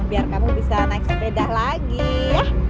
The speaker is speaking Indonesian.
biar kamu bisa naik sepeda lagi